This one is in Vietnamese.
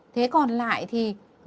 thế còn lại thì